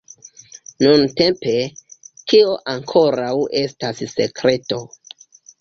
Nuntempe, tio ankoraŭ estas sekreto!